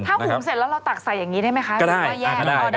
ถ้าหุงเสร็จแล้วเราตักใส่อย่างนี้ได้ไหมคะหรือว่าแยก